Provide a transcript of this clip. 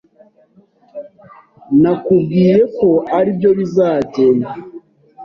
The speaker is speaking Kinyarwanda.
Nakubwiye ko aribyo bizagenda.